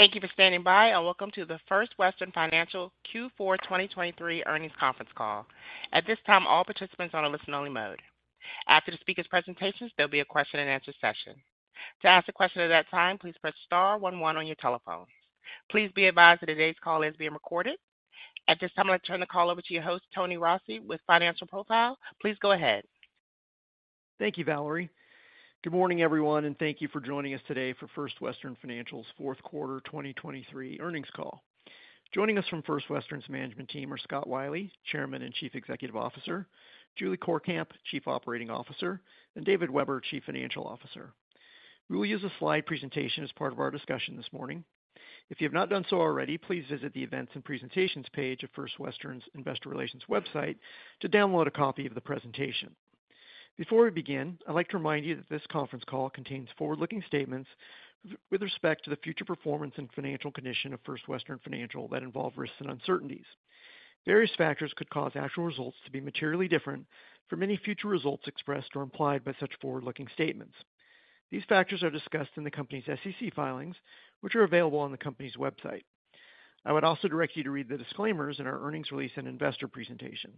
Thank you for standing by, and welcome to the First Western Financial Q4 2023 earnings conference call. At this time, all participants are on a listen-only mode. After the speaker's presentations, there'll be a question-and-answer session. To ask a question at that time, please press star one one on your telephone. Please be advised that today's call is being recorded. At this time, I'd like to turn the call over to your host, Tony Rossi, with Financial Profiles. Please go ahead. Thank you, Valerie. Good morning, everyone, and thank you for joining us today for First Western Financial's Fourth Quarter 2023 Earnings Call. Joining us from First Western's management team are Scott Wylie, Chairman and Chief Executive Officer, Julie Courkamp, Chief Operating Officer, and David Weber, Chief Financial Officer. We will use a slide presentation as part of our discussion this morning. If you have not done so already, please visit the Events and Presentations page of First Western's Investor Relations website to download a copy of the presentation. Before we begin, I'd like to remind you that this conference call contains forward-looking statements with respect to the future performance and financial condition of First Western Financial that involve risks and uncertainties. Various factors could cause actual results to be materially different for many future results expressed or implied by such forward-looking statements. These factors are discussed in the company's SEC filings, which are available on the company's website. I would also direct you to read the disclaimers in our earnings release and investor presentation.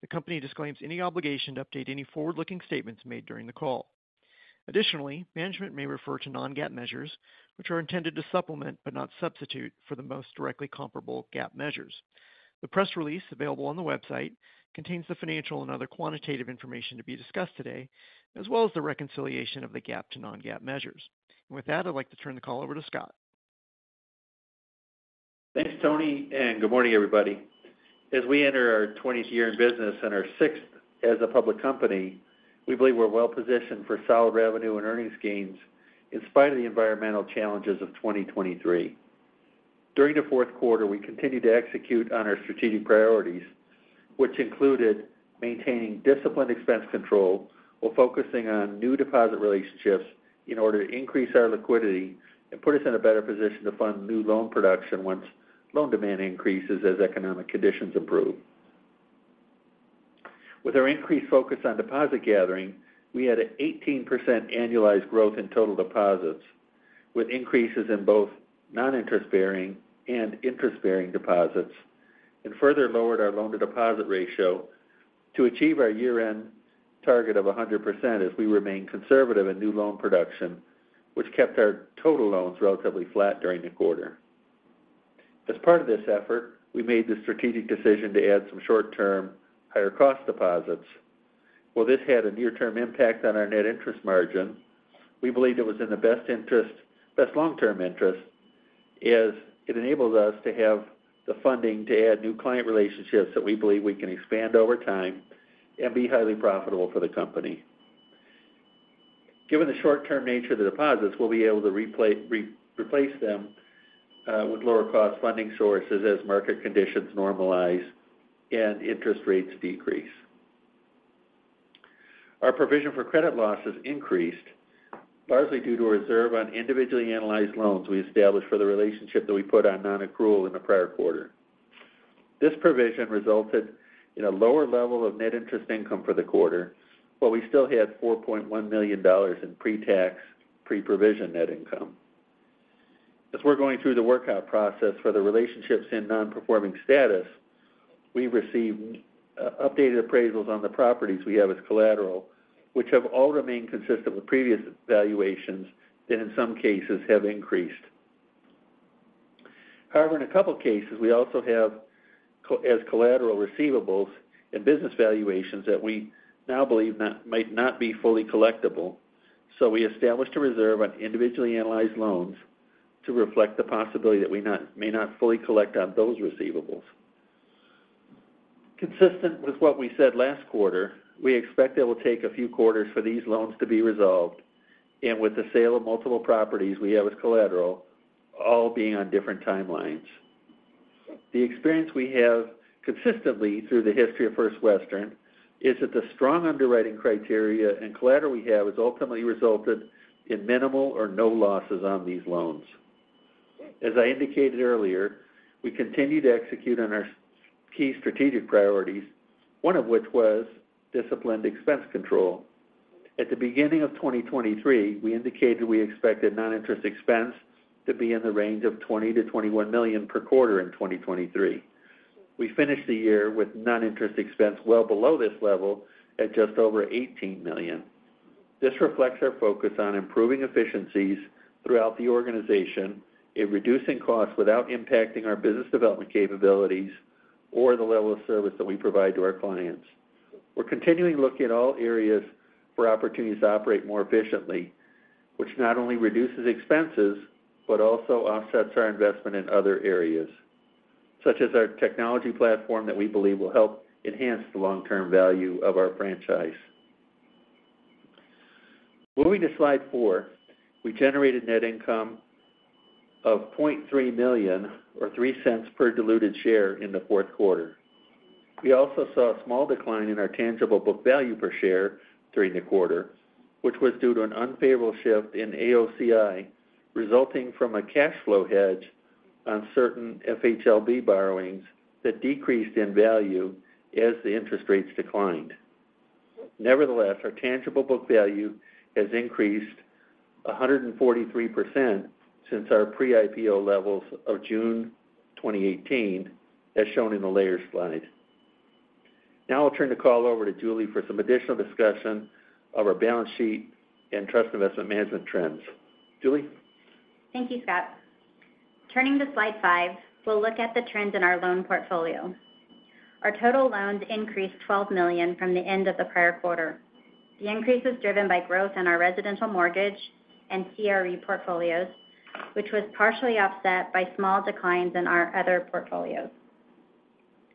The company disclaims any obligation to update any forward-looking statements made during the call. Additionally, management may refer to non-GAAP measures, which are intended to supplement, but not substitute, for the most directly comparable GAAP measures. The press release available on the website contains the financial and other quantitative information to be discussed today, as well as the reconciliation of the GAAP to non-GAAP measures. With that, I'd like to turn the call over to Scott. Thanks, Tony, and good morning, everybody. As we enter our 20th year in business and our 6th as a public company, we believe we're well positioned for solid revenue and earnings gains in spite of the environmental challenges of 2023. During the fourth quarter, we continued to execute on our strategic priorities, which included maintaining disciplined expense control while focusing on new deposit relationships in order to increase our liquidity and put us in a better position to fund new loan production once loan demand increases as economic conditions improve. With our increased focus on deposit gathering, we had an 18% annualized growth in total deposits, with increases in both non-interest-bearing and interest-bearing deposits, and further lowered our loan-to-deposit ratio to achieve our year-end target of 100% as we remain conservative in new loan production, which kept our total loans relatively flat during the quarter. As part of this effort, we made the strategic decision to add some short-term, higher-cost deposits. While this had a near-term impact on our net interest margin, we believed it was in the best interest, best long-term interest, as it enables us to have the funding to add new client relationships that we believe we can expand over time and be highly profitable for the company. Given the short-term nature of the deposits, we'll be able to replace them with lower-cost funding sources as market conditions normalize and interest rates decrease. Our provision for credit losses increased, largely due to a reserve on individually analyzed loans we established for the relationship that we put on nonaccrual in the prior quarter. This provision resulted in a lower level of net interest income for the quarter, while we still had $4.1 million in pretax, preprovision net income. As we're going through the workout process for the relationships in nonperforming status, we've received updated appraisals on the properties we have as collateral, which have all remained consistent with previous valuations and in some cases have increased. However, in a couple cases, we also have as collateral receivables and business valuations that we now believe might not be fully collectible, so we established a reserve on individually analyzed loans to reflect the possibility that we may not fully collect on those receivables. Consistent with what we said last quarter, we expect it will take a few quarters for these loans to be resolved, and with the sale of multiple properties we have as collateral, all being on different timelines. The experience we have consistently through the history of First Western is that the strong underwriting criteria and collateral we have has ultimately resulted in minimal or no losses on these loans. As I indicated earlier, we continue to execute on our key strategic priorities, one of which was disciplined expense control. At the beginning of 2023, we indicated we expected non-interest expense to be in the range of $20 million-$21 million per quarter in 2023. We finished the year with non-interest expense well below this level at just over $18 million. This reflects our focus on improving efficiencies throughout the organization and reducing costs without impacting our business development capabilities or the level of service that we provide to our clients. We're continuing to look at all areas where opportunities operate more efficiently, which not only reduces expenses, but also offsets our investment in other areas, such as our technology platform that we believe will help enhance the long-term value of our franchise. Moving to slide four, we generated net income of $0.3 million, or $0.03 per diluted share in the fourth quarter. We also saw a small decline in our tangible book value per share during the quarter, which was due to an unfavorable shift in AOCI, resulting from a cash flow hedge on certain FHLB borrowings that decreased in value as the interest rates declined. Nevertheless, our tangible book value has increased 143% since our pre-IPO levels of June 2018, as shown in the last slide. Now I'll turn the call over to Julie for some additional discussion of our balance sheet and trust investment management trends. Julie? Thank you, Scott. Turning to slide five, we'll look at the trends in our loan portfolio. Our total loans increased $12 million from the end of the prior quarter. The increase was driven by growth in our residential mortgage and CRE portfolios, which was partially offset by small declines in our other portfolios.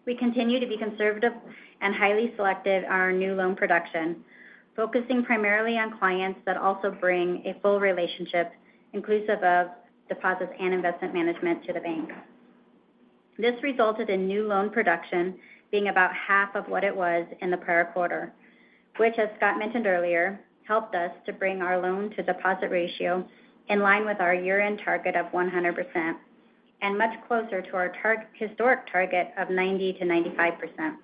We continue to be conservative and highly selective on our new loan production, focusing primarily on clients that also bring a full relationship, inclusive of deposits and investment management, to the bank. This resulted in new loan production being about half of what it was in the prior quarter, which, as Scott mentioned earlier, helped us to bring our loan-to-deposit ratio in line with our year-end target of 100% and much closer to our historic target of 90%-95%,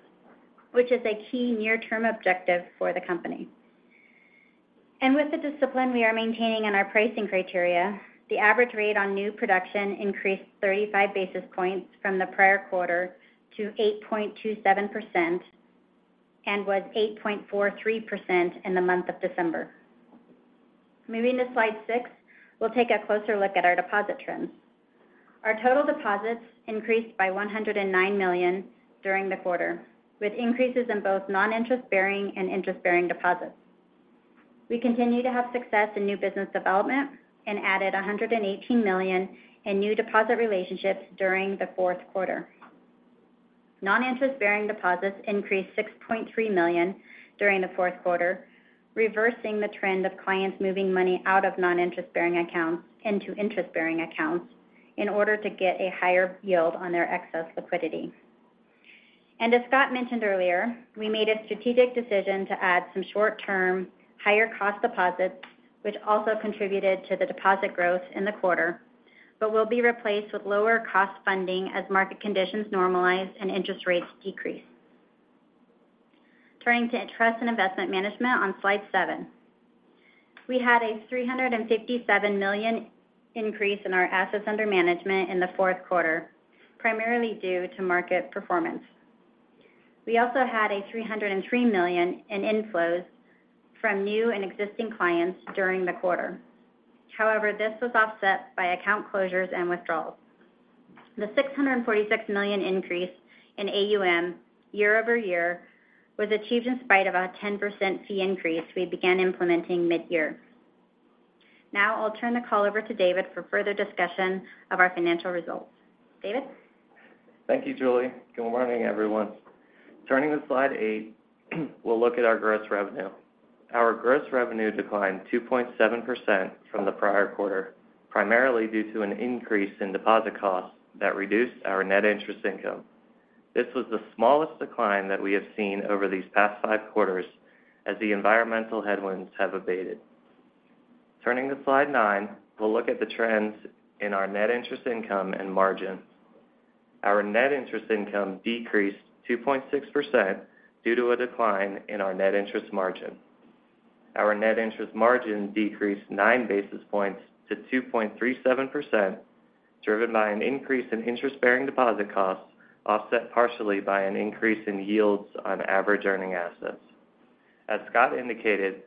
which is a key near-term objective for the company. With the discipline we are maintaining in our pricing criteria, the average rate on new production increased 35 basis points from the prior quarter to 8.27% and was 8.43% in the month of December. Moving to slide six, we'll take a closer look at our deposit trends. Our total deposits increased by $109 million during the quarter, with increases in both non-interest-bearing and interest-bearing deposits. We continue to have success in new business development and added $118 million in new deposit relationships during the fourth quarter. Non-interest-bearing deposits increased $6.3 million during the fourth quarter, reversing the trend of clients moving money out of non-interest-bearing accounts into interest-bearing accounts in order to get a higher yield on their excess liquidity. As Scott mentioned earlier, we made a strategic decision to add some short-term, higher-cost deposits, which also contributed to the deposit growth in the quarter, but will be replaced with lower cost funding as market conditions normalize and interest rates decrease. Turning to trust and investment management on slide 7. We had a $357 million increase in our assets under management in the fourth quarter, primarily due to market performance. We also had a $303 million in inflows from new and existing clients during the quarter. However, this was offset by account closures and withdrawals. The $646 million increase in AUM year-over-year was achieved in spite of a 10% fee increase we began implementing mid-year. Now I'll turn the call over to David for further discussion of our financial results. David? Thank you, Julie. Good morning, everyone. Turning to slide eight, we'll look at our gross revenue. Our gross revenue declined 2.7% from the prior quarter, primarily due to an increase in deposit costs that reduced our net interest income. This was the smallest decline that we have seen over these past 5 quarters as the environmental headwinds have abated. Turning to slide nine, we'll look at the trends in our net interest income and margins. Our net interest income decreased 2.6% due to a decline in our net interest margin. Our net interest margin decreased 9 basis points to 2.37%, driven by an increase in interest-bearing deposit costs, offset partially by an increase in yields on average earning assets. As Scott indicated,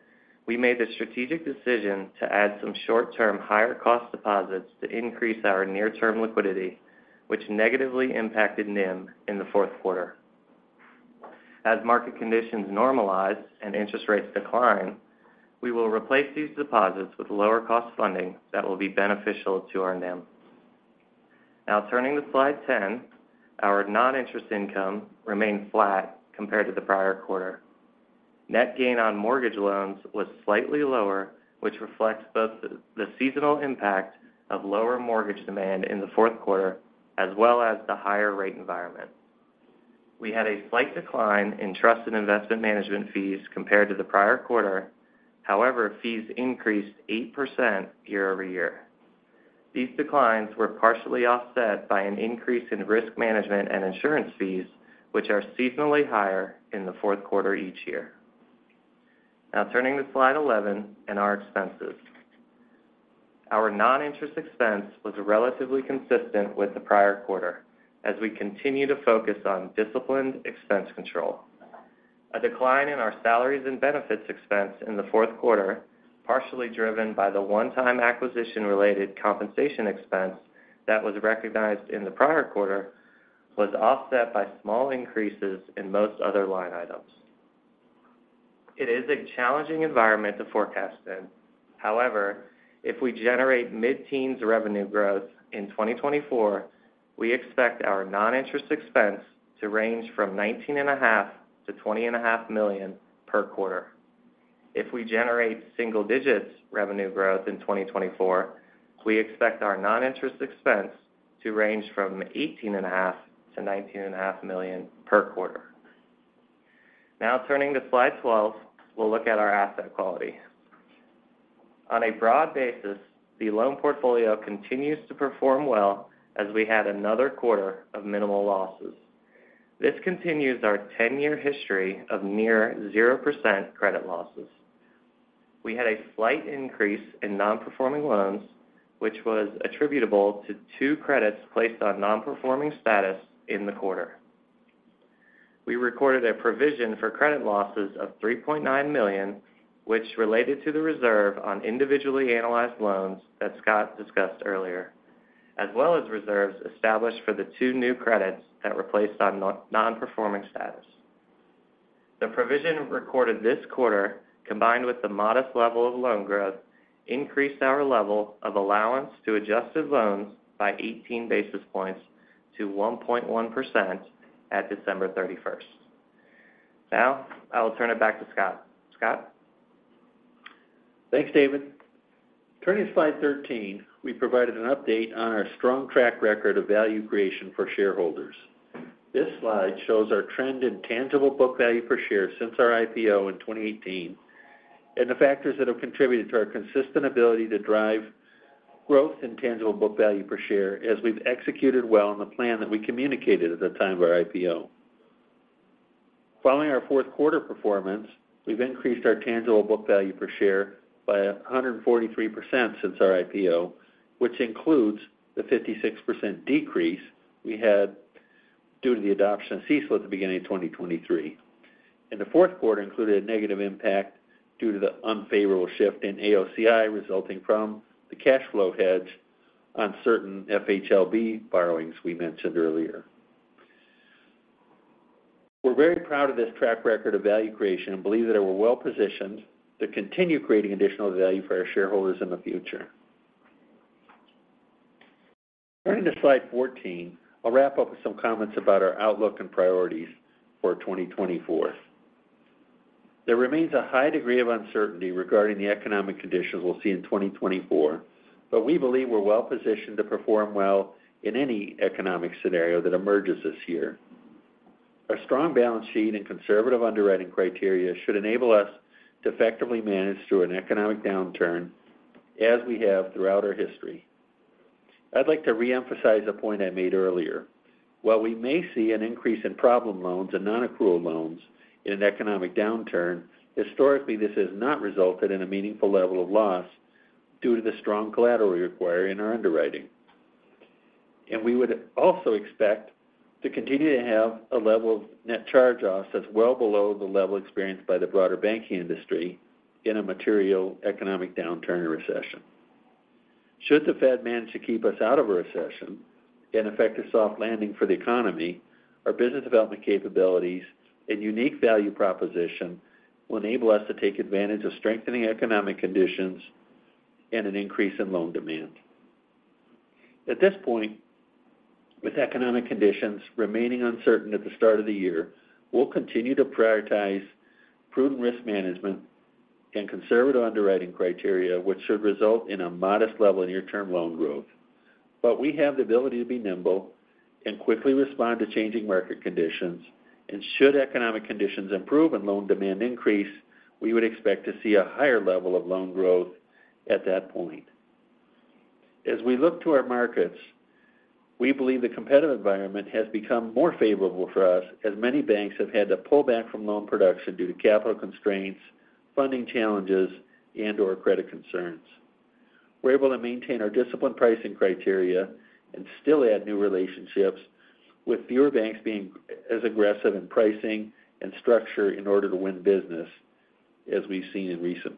we made the strategic decision to add some short-term, higher-cost deposits to increase our near-term liquidity, which negatively impacted NIM in the fourth quarter. As market conditions normalize and interest rates decline, we will replace these deposits with lower-cost funding that will be beneficial to our NIM. Now, turning to slide 10, our non-interest income remained flat compared to the prior quarter. Net gain on mortgage loans was slightly lower, which reflects both the seasonal impact of lower mortgage demand in the fourth quarter, as well as the higher rate environment. We had a slight decline in trust and investment management fees compared to the prior quarter. However, fees increased 8% year-over-year. These declines were partially offset by an increase in risk management and insurance fees, which are seasonally higher in the fourth quarter each year. Now turning to slide 11 and our expenses. Our non-interest expense was relatively consistent with the prior quarter as we continue to focus on disciplined expense control. A decline in our salaries and benefits expense in the fourth quarter, partially driven by the one-time acquisition-related compensation expense that was recognized in the prior quarter, was offset by small increases in most other line items. It is a challenging environment to forecast in. However, if we generate mid-teens revenue growth in 2024, we expect our non-interest expense to range from $19.5 million-$20.5 million per quarter. If we generate single digits revenue growth in 2024, we expect our non-interest expense to range from $18.5 million-$19.5 million per quarter. Now, turning to slide 12, we'll look at our asset quality. On a broad basis, the loan portfolio continues to perform well as we had another quarter of minimal losses. This continues our 10-year history of near 0% credit losses. We had a slight increase in nonperforming loans, which was attributable to two credits placed on nonperforming status in the quarter. We recorded a provision for credit losses of $3.9 million, which related to the reserve on individually analyzed loans that Scott discussed earlier, as well as reserves established for the two new credits that were placed on nonperforming status. The provision recorded this quarter, combined with the modest level of loan growth, increased our level of allowance to adjusted loans by 18 basis points to 1.1% at December 31st. Now, I will turn it back to Scott. Scott? Thanks, David. Turning to slide 13, we provided an update on our strong track record of value creation for shareholders. This slide shows our trend in tangible book value per share since our IPO in 2018, and the factors that have contributed to our consistent ability to drive growth in tangible book value per share, as we've executed well on the plan that we communicated at the time of our IPO. Following our fourth quarter performance, we've increased our tangible book value per share by 143% since our IPO, which includes the 56% decrease we had due to the adoption of CECL at the beginning of 2023. And the fourth quarter included a negative impact due to the unfavorable shift in AOCI, resulting from the cash flow hedge on certain FHLB borrowings we mentioned earlier. We're very proud of this track record of value creation and believe that we're well-positioned to continue creating additional value for our shareholders in the future. Turning to slide 14, I'll wrap up with some comments about our outlook and priorities for 2024. There remains a high degree of uncertainty regarding the economic conditions we'll see in 2024, but we believe we're well positioned to perform well in any economic scenario that emerges this year. Our strong balance sheet and conservative underwriting criteria should enable us to effectively manage through an economic downturn, as we have throughout our history. I'd like to reemphasize a point I made earlier. While we may see an increase in problem loans and nonaccrual loans in an economic downturn, historically, this has not resulted in a meaningful level of loss due to the strong collateral we require in our underwriting. And we would also expect to continue to have a level of net charge-offs that's well below the level experienced by the broader banking industry in a material economic downturn or recession. Should the Fed manage to keep us out of a recession and effect a soft landing for the economy, our business development capabilities and unique value proposition will enable us to take advantage of strengthening economic conditions and an increase in loan demand. At this point, with economic conditions remaining uncertain at the start of the year, we'll continue to prioritize prudent risk management and conservative underwriting criteria, which should result in a modest level of near-term loan growth. But we have the ability to be nimble and quickly respond to changing market conditions, and should economic conditions improve and loan demand increase, we would expect to see a higher level of loan growth at that point. As we look to our markets, we believe the competitive environment has become more favorable for us, as many banks have had to pull back from loan production due to capital constraints, funding challenges, and/or credit concerns. We're able to maintain our disciplined pricing criteria and still add new relationships, with fewer banks being as aggressive in pricing and structure in order to win business, as we've seen in recent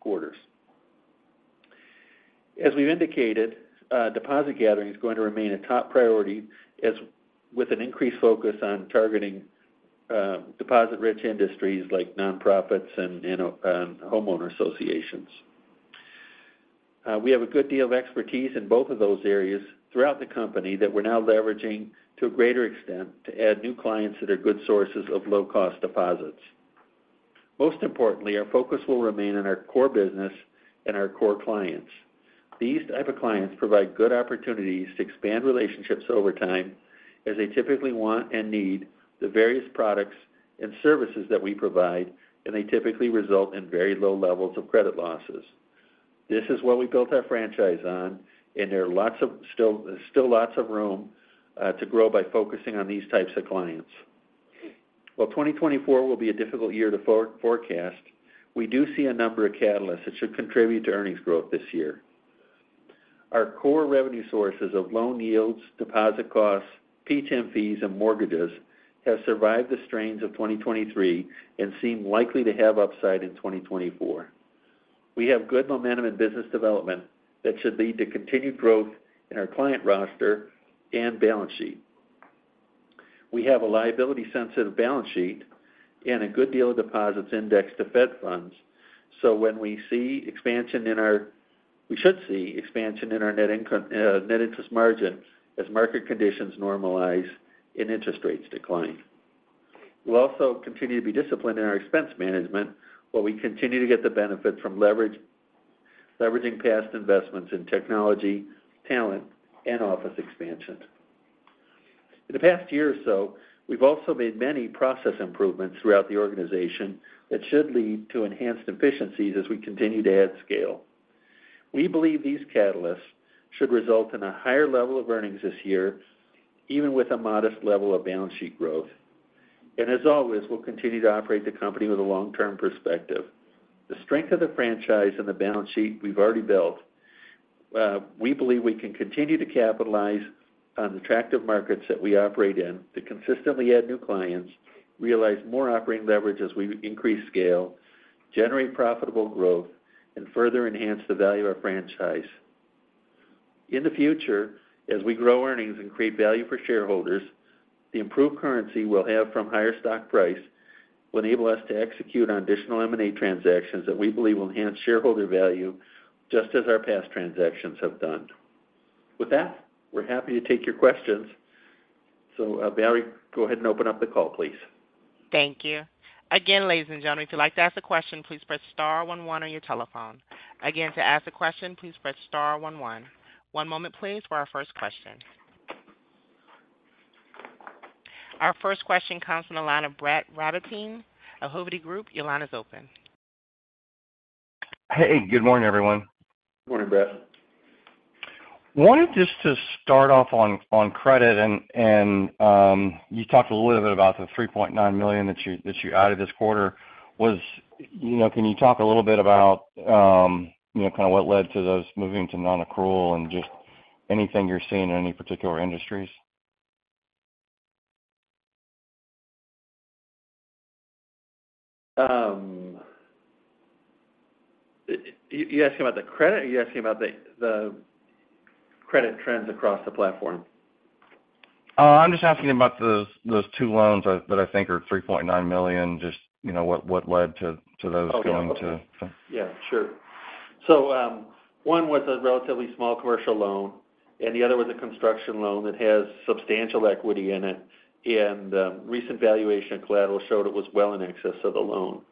quarters. As we've indicated, deposit gathering is going to remain a top priority, as with an increased focus on targeting deposit-rich industries like nonprofits and homeowner associations. We have a good deal of expertise in both of those areas throughout the company that we're now leveraging to a greater extent to add new clients that are good sources of low-cost deposits. Most importantly, our focus will remain on our core business and our core clients. These type of clients provide good opportunities to expand relationships over time, as they typically want and need the various products and services that we provide, and they typically result in very low levels of credit losses. This is what we built our franchise on, and there are still lots of room to grow by focusing on these types of clients. While 2024 will be a difficult year to forecast, we do see a number of catalysts that should contribute to earnings growth this year. Our core revenue sources of loan yields, deposit costs, T&I fees, and mortgages have survived the strains of 2023 and seem likely to have upside in 2024. We have good momentum in business development that should lead to continued growth in our client roster and balance sheet. We have a liability-sensitive balance sheet and a good deal of deposits indexed to Fed funds, so when we see expansion in our we should see expansion in our net income, net interest margin, as market conditions normalize and interest rates decline. We'll also continue to be disciplined in our expense management, while we continue to get the benefit from leveraging past investments in technology, talent, and office expansions. In the past year or so, we've also made many process improvements throughout the organization that should lead to enhanced efficiencies as we continue to add scale. We believe these catalysts should result in a higher level of earnings this year, even with a modest level of balance sheet growth. And as always, we'll continue to operate the company with a long-term perspective. The strength of the franchise and the balance sheet we've already built, we believe we can continue to capitalize on the attractive markets that we operate in to consistently add new clients, realize more operating leverage as we increase scale, generate profitable growth, and further enhance the value of our franchise. In the future, as we grow earnings and create value for shareholders, the improved currency we'll have from higher stock price will enable us to execute on additional M&A transactions that we believe will enhance shareholder value, just as our past transactions have done. With that, we're happy to take your questions. So, Valerie, go ahead and open up the call, please. Thank you. Again, ladies and gentlemen, if you'd like to ask a question, please press star one one on your telephone. Again, to ask a question, please press star one one. One moment please, for our first question. Our first question comes from the line of Brett Rabatin of Hovde Group. Your line is open. Hey, good morning, everyone. Good morning, Brett. Wanted just to start off on credit, and you talked a little bit about the $3.9 million that you added this quarter. You know, can you talk a little bit about you know, kind of what led to those moving to nonaccrual and just anything you're seeing in any particular industries? You asking about the credit, or you asking about the credit trends across the platform? I'm just asking about those two loans that I think are $3.9 million. Just, you know, what led to those going to? Okay. Yeah, sure. So, one was a relatively small commercial loan, and the other was a construction loan that has substantial equity in it. Recent valuation of collateral showed it was well in excess of the loan.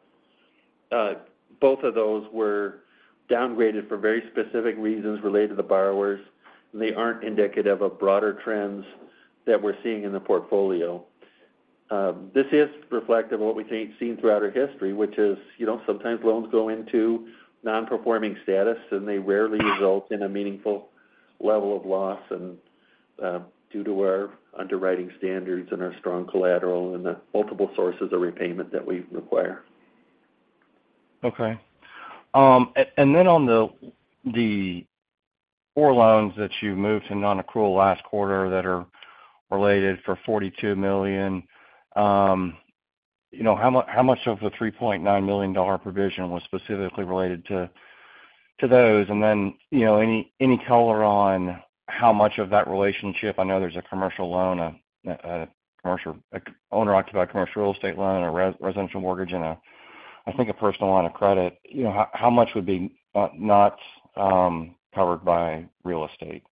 Both of those were downgraded for very specific reasons related to the borrowers. They aren't indicative of broader trends that we're seeing in the portfolio. This is reflective of what we've seen throughout our history, which is, you know, sometimes loans go into non-performing status, and they rarely result in a meaningful level of loss, and, due to our underwriting standards and our strong collateral and the multiple sources of repayment that we require. Okay. And then on the four loans that you moved to nonaccrual last quarter that are related for $42 million, you know, how much of the $3.9 million provision was specifically related to those? And then, you know, any color on how much of that relationship. I know there's a commercial loan, a commercial, owner-occupied commercial real estate loan, a residential mortgage, and a, I think, a personal line of credit. You know, how much would be not covered by real estate?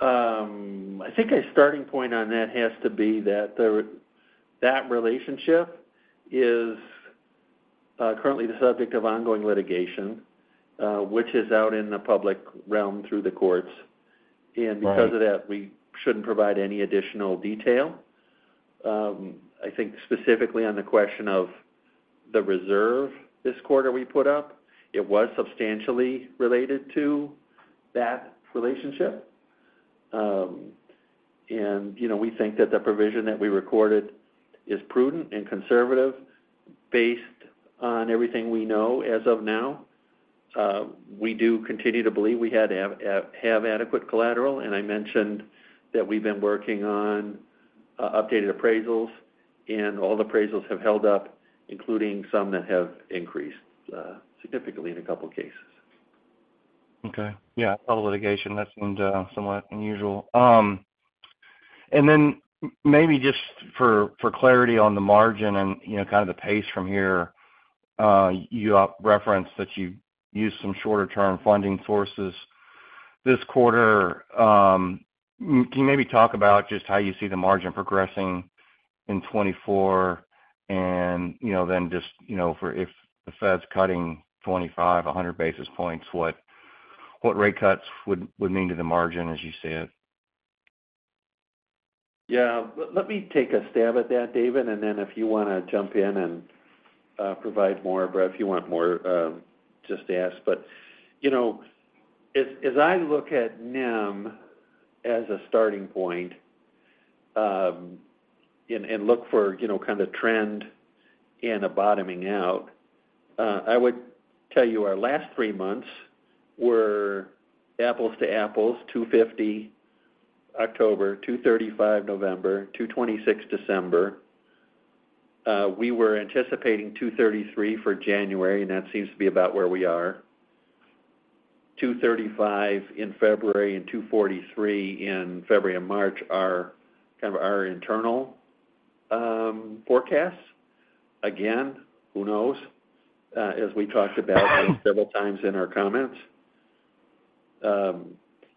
I think a starting point on that has to be that relationship is currently the subject of ongoing litigation, which is out in the public realm through the courts. Right. Because of that, we shouldn't provide any additional detail. I think specifically on the question of the reserve this quarter we put up, it was substantially related to that relationship. And, you know, we think that the provision that we recorded is prudent and conservative based on everything we know as of now. We do continue to believe we have adequate collateral, and I mentioned that we've been working on updated appraisals, and all the appraisals have held up, including some that have increased significantly in a couple of cases. Okay. Yeah, all the litigation, that seemed somewhat unusual. And then maybe just for clarity on the margin and, you know, kind of the pace from here, you referenced that you used some shorter-term funding sources this quarter. Can you maybe talk about just how you see the margin progressing in 2024? And, you know, then just, you know, for if the Fed's cutting 25, 100 basis points, what rate cuts would mean to the margin, as you see it? Yeah, let me take a stab at that, David, and then if you wanna jump in and provide more, Brett, if you want more, just ask. But, you know, as I look at NIM as a starting point, and look for, you know, kind of trend and a bottoming out, I would tell you our last three months were apples to apples, 2.50% October, 2.35% November, 2.26% December. We were anticipating 2.33% for January, and that seems to be about where we are. 2.35% in February and 2.43% in February and March are kind of our internal forecasts. Again, who knows? As we talked about several times in our comments,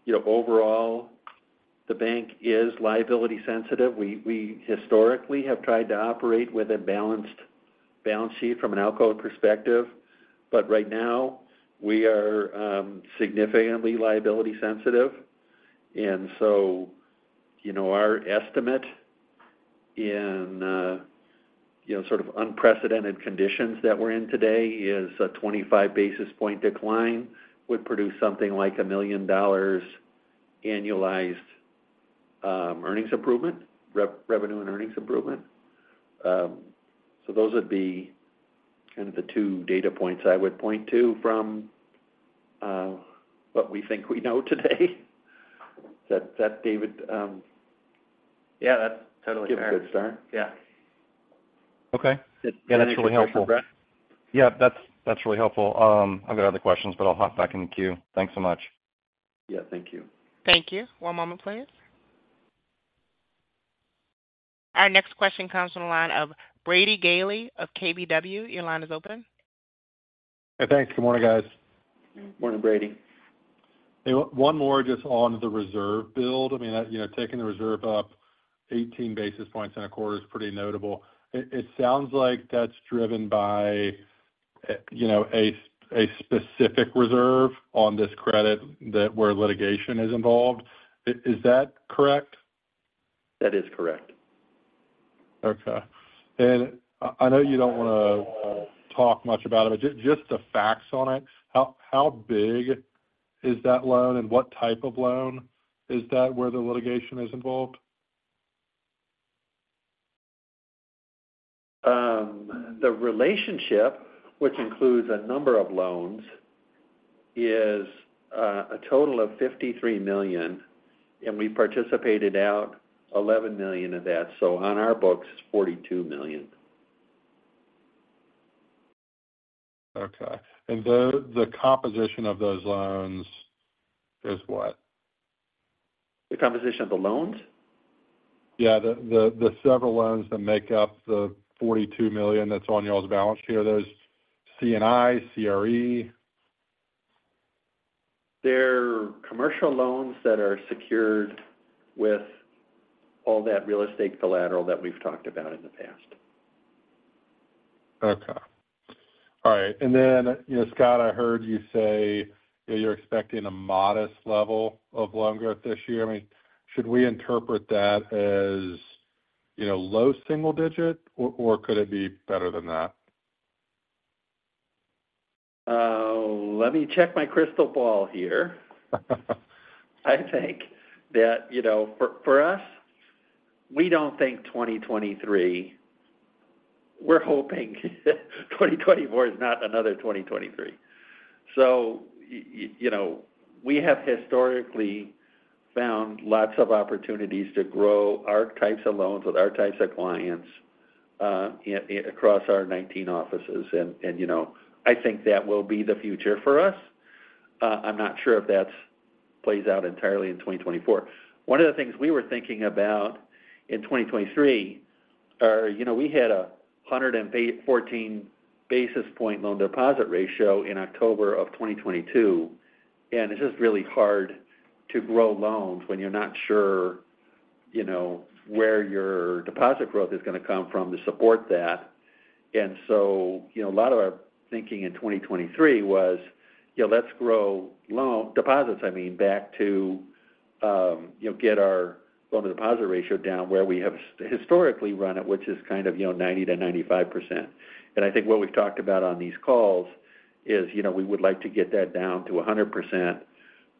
you know, overall, the bank is liability sensitive. We historically have tried to operate with a balanced balance sheet from an ALCO perspective, but right now, we are significantly liability sensitive. And so, you know, our estimate in, you know, sort of unprecedented conditions that we're in today is a 25 basis point decline, would produce something like $1 million annualized earnings improvement, revenue and earnings improvement. So those would be kind of the two data points I would point to from what we think we know today. Does that, David- Yeah, that's totally fair. Give a good start. Yeah. Okay. Yeah, that's really helpful. Yeah, that's, that's really helpful. I've got other questions, but I'll hop back in the queue. Thanks so much. Yeah, thank you. Thank you. One moment, please. Our next question comes from the line of Brady Gailey of KBW. Your line is open. Hey, thanks. Good morning, guys. Morning, Brady. One more just on the reserve build. I mean, you know, taking the reserve up 18 basis points in a quarter is pretty notable. It sounds like that's driven by, you know, a specific reserve on this credit that where litigation is involved. Is that correct? That is correct. Okay. And I know you don't want to talk much about it, but just, just the facts on it. How, how big is that loan, and what type of loan is that, where the litigation is involved? The relationship, which includes a number of loans, is a total of $53 million, and we participated out $11 million of that. So on our books, it's $42 million. Okay. And the composition of those loans is what? The composition of the loans? Yeah, the several loans that make up the $42 million that's on y'all's balance sheet, there's C&I, CRE? They're commercial loans that are secured with all that real estate collateral that we've talked about in the past. Okay. All right. And then, you know, Scott, I heard you say that you're expecting a modest level of loan growth this year. I mean, should we interpret that as, you know, low single digit, or, or could it be better than that? Let me check my crystal ball here. I think that, you know, for us, we don't think 2023... We're hoping 2024 is not another 2023. So, you know, we have historically found lots of opportunities to grow our types of loans with our types of clients, across our 19 offices. And, you know, I think that will be the future for us. I'm not sure if that's plays out entirely in 2024. One of the things we were thinking about in 2023 are, you know, we had a 114 basis point loan deposit ratio in October of 2022, and it's just really hard to grow loans when you're not sure, you know, where your deposit growth is going to come from to support that. You know, a lot of our thinking in 2023 was, you know, let's grow deposits, I mean, back to, you know, get our loan-to-deposit ratio down where we have historically run it, which is kind of, you know, 90%-95%. I think what we've talked about on these calls is, you know, we would like to get that down to 100%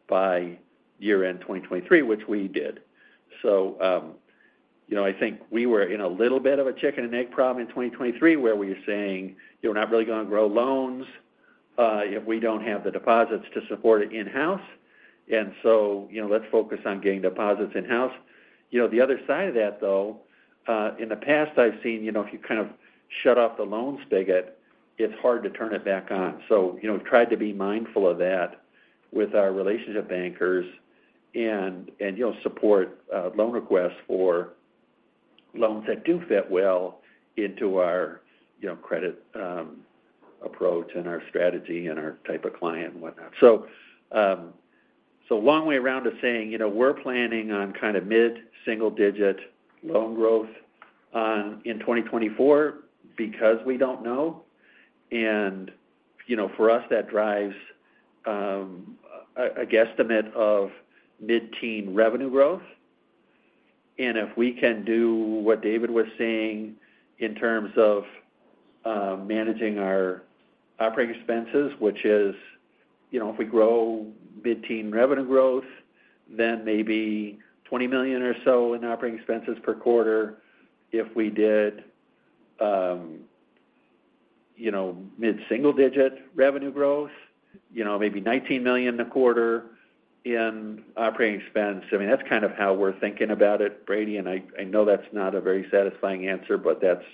by year-end 2023, which we did. You know, I think we were in a little bit of a chicken and egg problem in 2023, where we were saying, "We're not really going to grow loans, if we don't have the deposits to support it in-house. And so, you know, let's focus on getting deposits in-house." You know, the other side of that, though, in the past, I've seen, you know, if you kind of shut off the loans spigot, it's hard to turn it back on. So, you know, tried to be mindful of that with our relationship bankers and, you know, support loan requests for loans that do fit well into our, you know, credit approach and our strategy and our type of client and whatnot. So, so long way around to saying, you know, we're planning on kind of mid-single-digit loan growth in 2024 because we don't know. And, you know, for us, that drives a guesstimate of mid-teen revenue growth. If we can do what David was saying in terms of managing our operating expenses, which is, you know, if we grow mid-teen revenue growth, then maybe $20 million or so in operating expenses per quarter. If we did, you know, mid-single digit revenue growth, you know, maybe $19 million a quarter in operating expense. I mean, that's kind of how we're thinking about it, Brady, and I, I know that's not a very satisfying answer, but that's,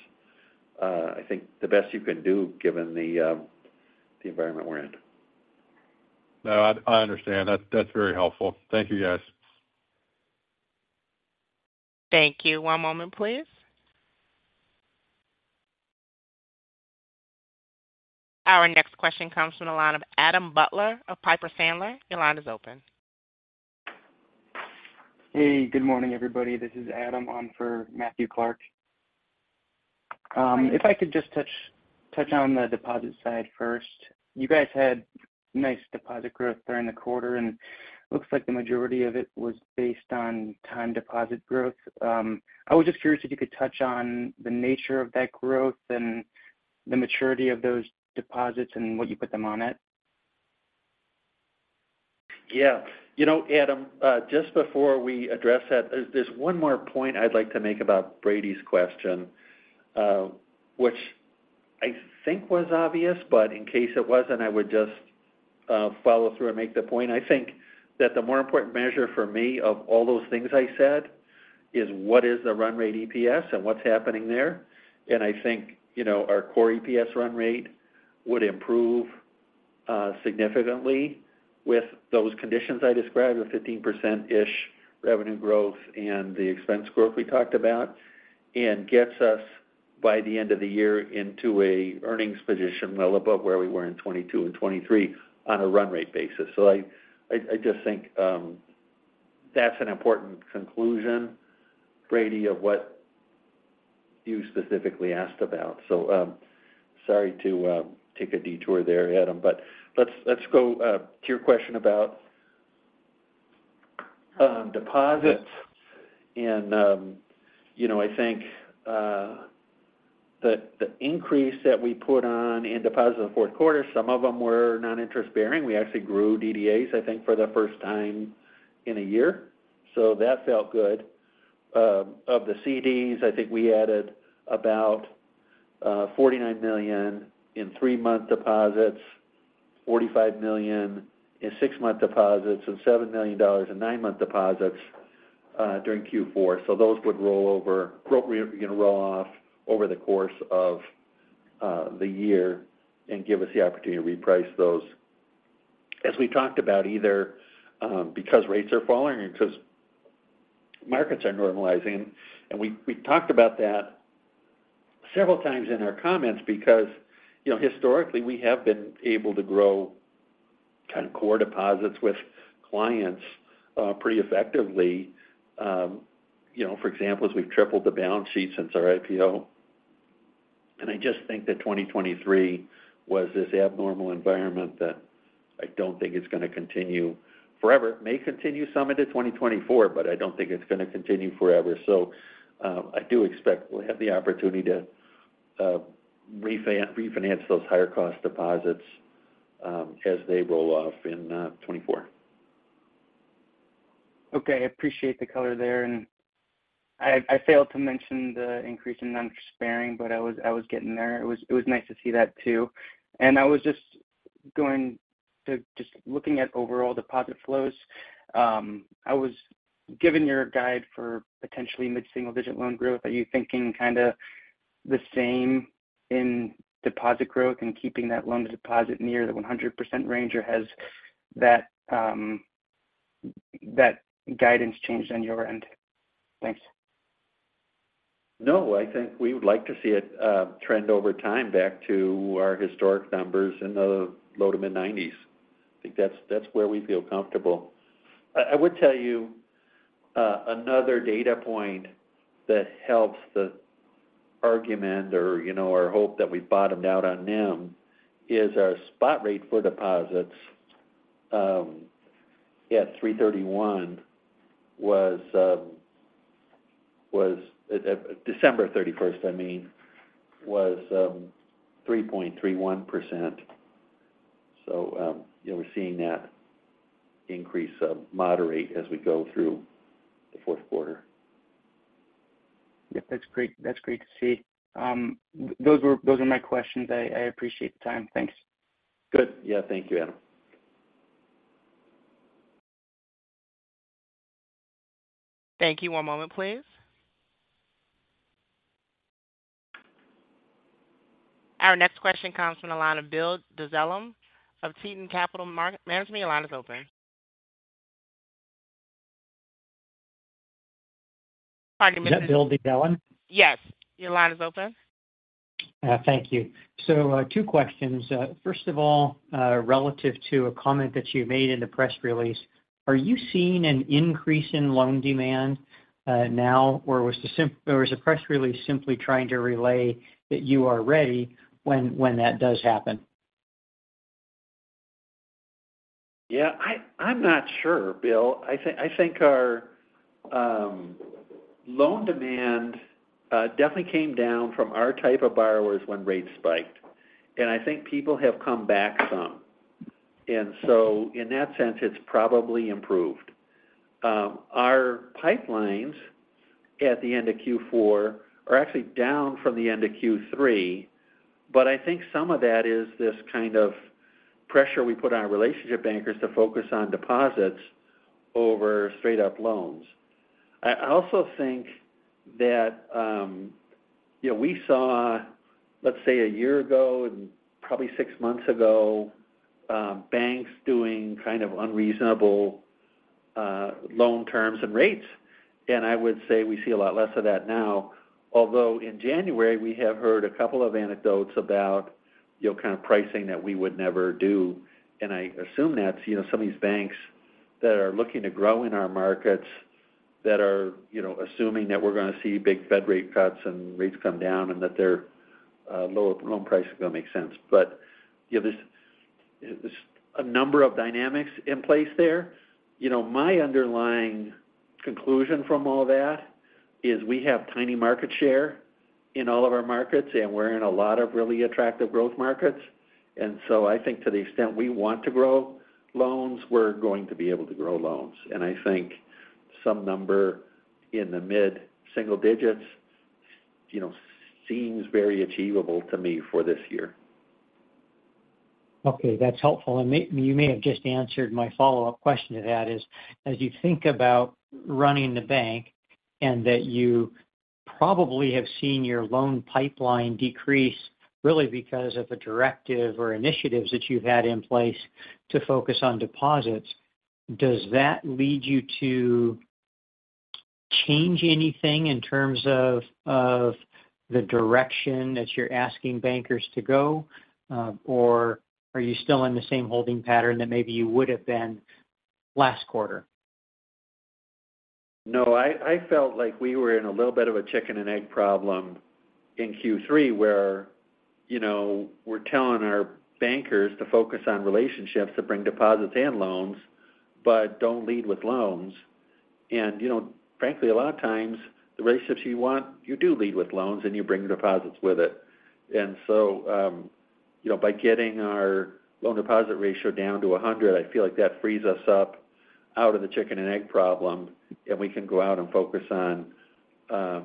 I think the best you can do given the, the environment we're in. No, I, I understand. That's, that's very helpful. Thank you, guys. Thank you. One moment, please. Our next question comes from the line of Adam Butler of Piper Sandler. Your line is open. Hey, good morning, everybody. This is Adam, on for Matthew Clark. If I could just touch, touch on the deposit side first. You guys had nice deposit growth during the quarter, and looks like the majority of it was based on time deposit growth. I was just curious if you could touch on the nature of that growth and the maturity of those deposits and what you put them on at? Yeah. You know, Adam, just before we address that, there's, there's one more point I'd like to make about Brady's question, which I think was obvious, but in case it wasn't, I would just, follow through and make the point. I think that the more important measure for me of all those things I said, is what is the run rate EPS and what's happening there? And I think, you know, our core EPS run rate would improve, significantly with those conditions I described, the 15%-ish revenue growth and the expense growth we talked about, and gets us, by the end of the year, into a earnings position well above where we were in 2022 and 2023 on a run rate basis. So I just think, that's an important conclusion, Brady, of what you specifically asked about. So, sorry to take a detour there, Adam, but let's go to your question about deposits. And, you know, I think the increase that we put on in deposits in the fourth quarter, some of them were non-interest-bearing. We actually grew DDAs, I think, for the first time in a year, so that felt good. Of the CDs, I think we added about $49 million in three-month deposits, $45 million in six-month deposits, and $7 million in nine-month deposits during Q4. So those would roll over appropriately, you know, roll off over the course of the year and give us the opportunity to reprice those. As we talked about, either because rates are falling or because markets are normalizing, and we talked about that several times in our comments because, you know, historically, we have been able to grow kind of core deposits with clients pretty effectively. You know, for example, as we've tripled the balance sheet since our IPO. And I just think that 2023 was this abnormal environment that I don't think it's going to continue forever. It may continue some into 2024, but I don't think it's going to continue forever. So, I do expect we'll have the opportunity to refinance those higher cost deposits as they roll off in 2024. Okay. I appreciate the color there, and I failed to mention the increase in non-interest bearing, but I was getting there. It was nice to see that too. And I was just going to just looking at overall deposit flows. Given your guide for potentially mid-single-digit loan growth, are you thinking kind of the same in deposit growth and keeping that loan to deposit near the 100% range, or has that guidance changed on your end? Thanks. No, I think we would like to see it trend over time back to our historic numbers in the low to mid-90s. I think that's where we feel comfortable. I would tell you another data point that helps the argument or, you know, our hope that we bottomed out on NIM is our spot rate for deposits at 3.31 was December 31st, I mean, was 3.31%. So, you know, we're seeing that increase of moderate as we go through the fourth quarter. Yep, that's great. That's great to see. Those were my questions. I appreciate the time. Thanks. Good. Yeah. Thank you, Adam. Thank you. One moment, please. Our next question comes from the line of Bill Dezellem of Tieton Capital Management. Sir, your line is open. Pardon me- Is that Bill Dezellem? Yes, your line is open. Thank you. So, two questions. First of all, relative to a comment that you made in the press release, are you seeing an increase in loan demand now, or was the press release simply trying to relay that you are ready when that does happen? Yeah, I'm not sure, Bill. I think our loan demand definitely came down from our type of borrowers when rates spiked, and I think people have come back some. And so in that sense, it's probably improved. Our pipelines at the end of Q4 are actually down from the end of Q3, but I think some of that is this kind of pressure we put on our relationship bankers to focus on deposits over straight up loans. I also think that, you know, we saw, let's say, a year ago and probably six months ago, banks doing kind of unreasonable loan terms and rates. And I would say we see a lot less of that now. Although in January, we have heard a couple of anecdotes about, you know, kind of pricing that we would never do. I assume that's, you know, some of these banks that are looking to grow in our markets, that are, you know, assuming that we're gonna see big Fed rate cuts and rates come down and that their lower loan price is gonna make sense. But, you know, there's a number of dynamics in place there. You know, my underlying conclusion from all that is we have tiny market share in all of our markets, and we're in a lot of really attractive growth markets. And so I think to the extent we want to grow loans, we're going to be able to grow loans. And I think some number in the mid-single digits, you know, seems very achievable to me for this year. Okay, that's helpful. And you may have just answered my follow-up question to that is, as you think about running the bank and that you probably have seen your loan pipeline decrease really because of the directive or initiatives that you've had in place to focus on deposits, does that lead you to change anything in terms of, of the direction that you're asking bankers to go? Or are you still in the same holding pattern that maybe you would have been last quarter? No, I, I felt like we were in a little bit of a chicken and egg problem in Q3, where, you know, we're telling our bankers to focus on relationships that bring deposits and loans, but don't lead with loans. And, you know, frankly, a lot of times the relationships you want, you do lead with loans, and you bring deposits with it. And so, you know, by getting our loan deposit ratio down to 100, I feel like that frees us up out of the chicken and egg problem, and we can go out and focus on,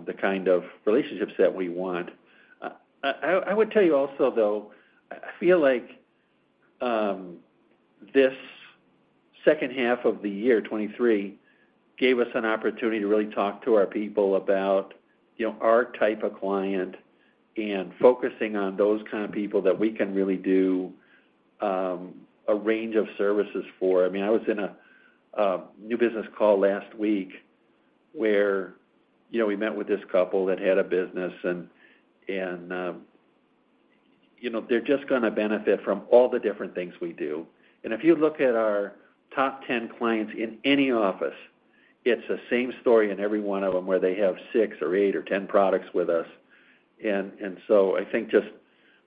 the kind of relationships that we want. I would tell you also, though, I feel like this second half of the year 2023 gave us an opportunity to really talk to our people about, you know, our type of client and focusing on those kind of people that we can really do a range of services for. I mean, I was in a new business call last week where, you know, we met with this couple that had a business and, you know, they're just gonna benefit from all the different things we do. And if you look at our top 10 clients in any office, it's the same story in every one of them, where they have six or eight or 10 products with us. So I think just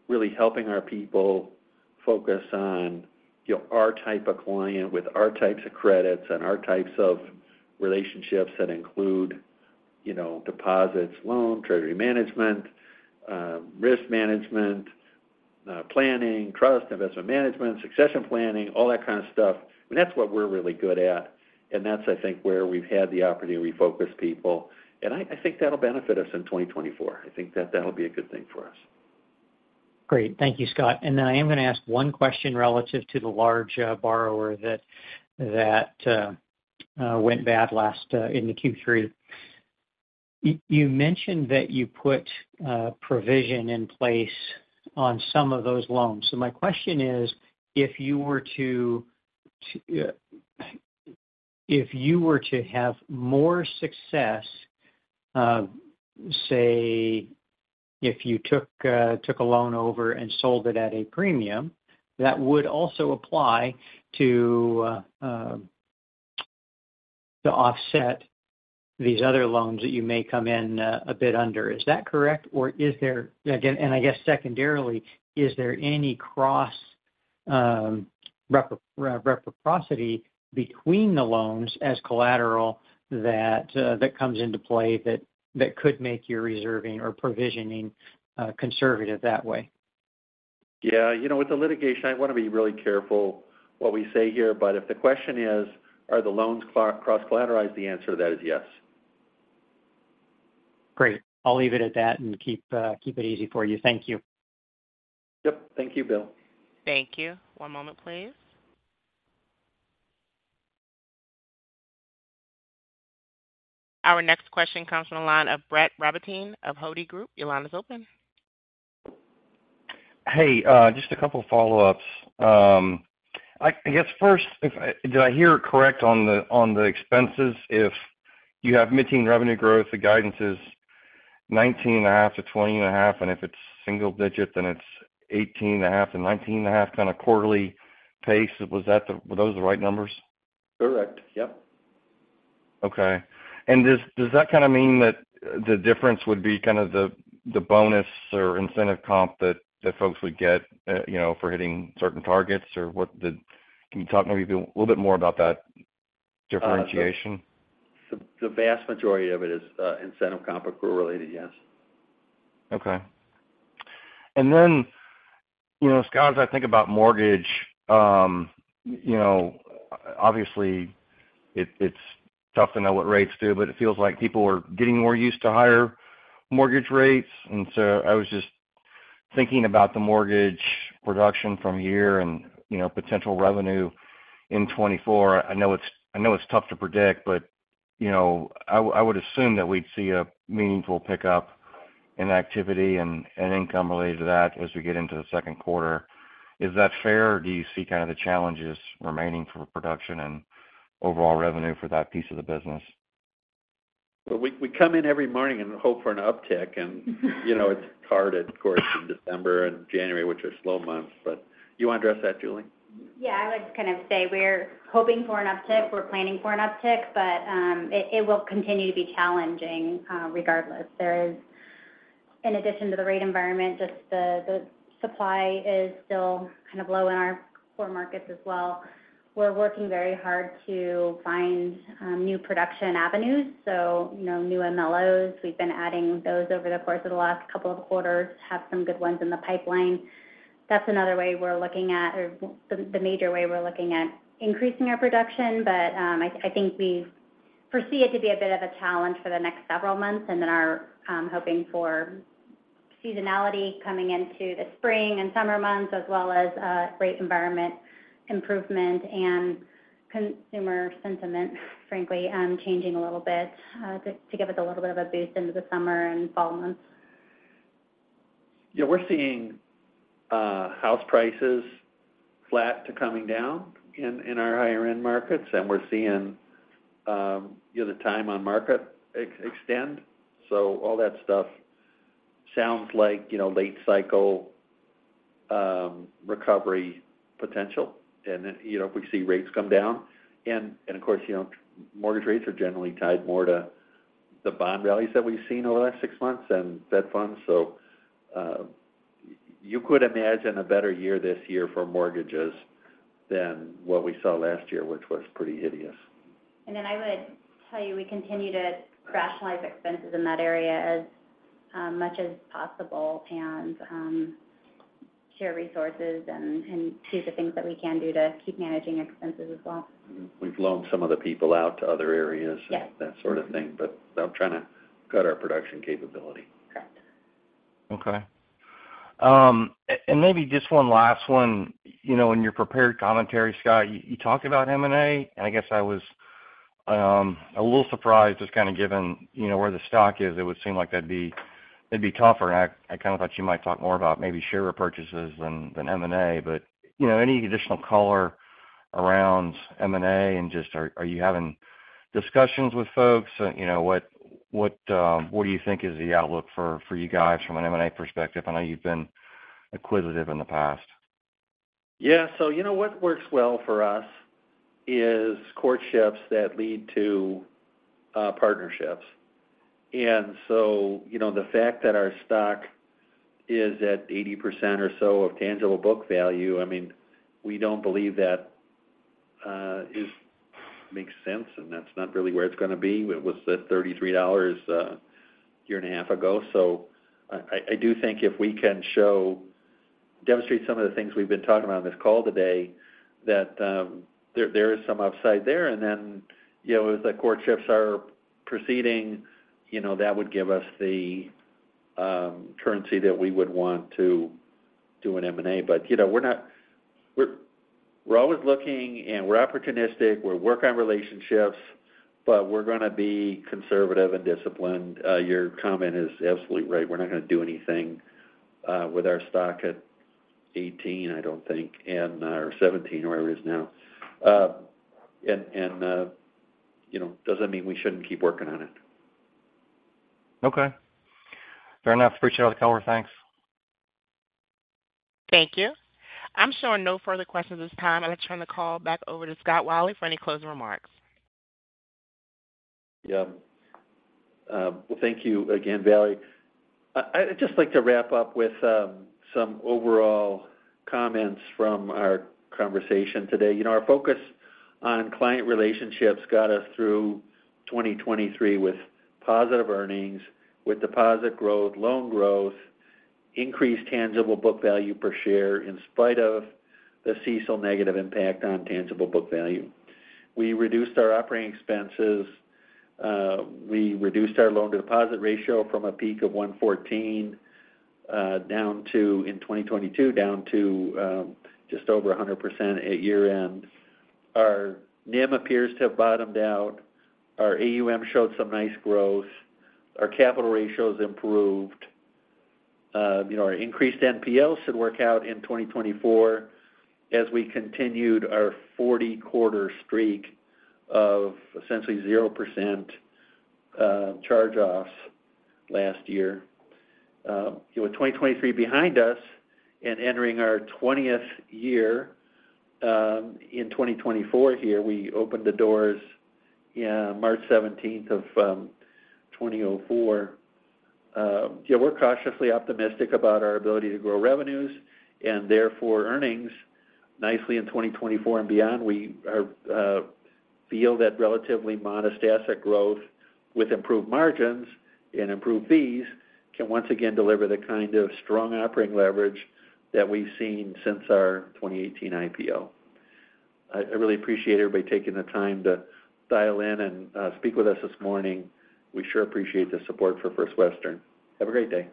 really helping our people focus on, you know, our type of client with our types of credits and our types of relationships that include, you know, deposits, loan, treasury management, risk management, planning, trust, investment management, succession planning, all that kind of stuff. I mean, that's what we're really good at, and that's, I think, where we've had the opportunity to refocus people. And I think that'll benefit us in 2024. I think that that'll be a good thing for us. Great. Thank you, Scott. And I am gonna ask one question relative to the large borrower that went bad last into Q3. You mentioned that you put a provision in place on some of those loans. So my question is, if you were to have more success, say, if you took a loan over and sold it at a premium, that would also apply to offset these other loans that you may come in a bit under. Is that correct, or is there... Again, and I guess secondarily, is there any cross reciprocity between the loans as collateral that comes into play, that could make your reserving or provisioning conservative that way? Yeah. You know, with the litigation, I want to be really careful what we say here, but if the question is, are the loans cross-collateralized? The answer to that is yes. Great. I'll leave it at that and keep, keep it easy for you. Thank you. Yep. Thank you, Bill. Thank you. One moment, please. Our next question comes from the line of Brett Rabatin of Hovde Group. Your line is open. Hey, just a couple follow-ups. I guess first, did I hear it correct on the, on the expenses? If you have mid-teen revenue growth, the guidance is 19.5-20.5, and if it's single digits, then it's 18.5-19.5, kind of quarterly pace. Were those the right numbers? Correct. Yep. Okay. And does that kind of mean that the difference would be kind of the bonus or incentive comp that folks would get, you know, for hitting certain targets? Or what the, can you talk maybe a little bit more about that differentiation? The vast majority of it is, incentive comp or career related, yes. Okay. And then, you know, Scott, as I think about mortgage, you know, obviously it, it's tough to know what rates do, but it feels like people are getting more used to higher mortgage rates. And so I was just thinking about the mortgage production from here and, you know, potential revenue in 2024. I know it's, I know it's tough to predict, but, you know, I would assume that we'd see a meaningful pickup in activity and, and income related to that as we get into the second quarter. Is that fair, or do you see kind of the challenges remaining for production and overall revenue for that piece of the business? Well, we come in every morning and hope for an uptick, and, you know, it's hard, of course, in December and January, which are slow months. But do you want to address that, Julie? Yeah, I would kind of say we're hoping for an uptick. We're planning for an uptick, but it will continue to be challenging, regardless. There is, in addition to the rate environment, just the supply is still kind of low in our core markets as well. We're working very hard to find new production avenues, so, you know, new MLOs, we've been adding those over the course of the last couple of quarters, have some good ones in the pipeline. That's another way we're looking at, or the major way we're looking at increasing our production. But, I think we foresee it to be a bit of a challenge for the next several months and then are hoping for seasonality coming into the spring and summer months, as well as rate environment improvement and consumer sentiment, frankly, changing a little bit, to give us a little bit of a boost into the summer and fall months. Yeah, we're seeing house prices flat to coming down in, in our higher-end markets, and we're seeing, you know, the time on market extend. So all that stuff sounds like, you know, late cycle recovery potential. And then, you know, we see rates come down and, and of course, you know, mortgage rates are generally tied more to the bond values that we've seen over the last 6 months and Fed funds. So, you could imagine a better year this year for mortgages than what we saw last year, which was pretty hideous. And then I would tell you, we continue to rationalize expenses in that area as much as possible and share resources and do the things that we can do to keep managing expenses as well. We've loaned some of the people out to other areas- Yes. that sort of thing, but I'm trying to cut our production capability. Correct. Okay. And maybe just one last one. You know, in your prepared commentary, Scott, you, you talked about M&A, and I guess I was a little surprised, just kind of given, you know, where the stock is, it would seem like that'd be, it'd be tougher. I, I kind of thought you might talk more about maybe share repurchases than, than M&A, but, you know, any additional color around M&A, and just, are, are you having discussions with folks? You know, what, what, what do you think is the outlook for, for you guys from an M&A perspective? I know you've been acquisitive in the past. Yeah. So, you know, what works well for us is courtships that lead to partnerships. And so, you know, the fact that our stock is at 80% or so of tangible book value, I mean, we don't believe that makes sense, and that's not really where it's going to be. It was at $33 a year and a half ago. So I do think if we can demonstrate some of the things we've been talking about on this call today, that there is some upside there. And then, you know, as the courtships are proceeding, you know, that would give us the currency that we would want to do an M&A. But, you know, we're always looking, and we're opportunistic. We're working on relationships, but we're going to be conservative and disciplined. Your comment is absolutely right. We're not going to do anything with our stock at $18, I don't think, and or $17, wherever it is now. And you know, doesn't mean we shouldn't keep working on it. Okay, fair enough. Appreciate all the color. Thanks. Thank you. I'm showing no further questions at this time. I'd like to turn the call back over to Scott Wylie for any closing remarks. Yeah. Well, thank you again, Bailey. I'd just like to wrap up with some overall comments from our conversation today. You know, our focus on client relationships got us through 2023 with positive earnings, with deposit growth, loan growth, increased tangible book value per share, in spite of the CECL negative impact on tangible book value. We reduced our operating expenses, we reduced our loan-to-deposit ratio from a peak of 114 in 2022, down to just over 100% at year-end. Our NIM appears to have bottomed out. Our AUM showed some nice growth. Our capital ratios improved. You know, our increased NPL should work out in 2024 as we continued our 40-quarter streak of essentially 0% charge-offs last year. With 2023 behind us and entering our 20th year, in 2024 here, we opened the doors in March 17, 2004. Yeah, we're cautiously optimistic about our ability to grow revenues and therefore, earnings nicely in 2024 and beyond. We feel that relatively modest asset growth with improved margins and improved fees, can once again deliver the kind of strong operating leverage that we've seen since our 2018 IPO. I really appreciate everybody taking the time to dial in and, speak with us this morning. We sure appreciate the support for First Western. Have a great day.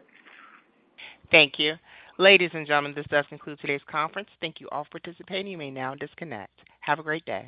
Thank you. Ladies and gentlemen, this does conclude today's conference. Thank you all for participating. You may now disconnect. Have a great day.